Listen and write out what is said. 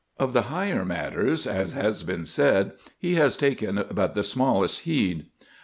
Of the higher matters, as has been said, he has taken but the smallest heed.